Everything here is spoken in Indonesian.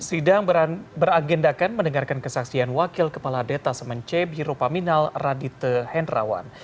sidang beragendakan mendengarkan kesaksian wakil kepala desa semence biro paminal radite hendrawan